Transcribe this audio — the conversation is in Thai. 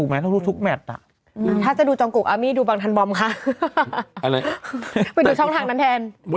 มาอีกแล้วอะ